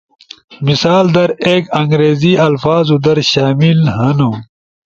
مثال در، ایک انگریزی الفاظو در شامل ہنو